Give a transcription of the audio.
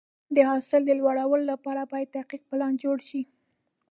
د حاصل د لوړوالي لپاره باید دقیق پلان جوړ شي.